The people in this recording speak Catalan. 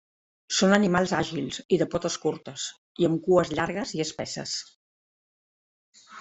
Són animals àgils i de potes curtes, i amb cues llargues i espesses.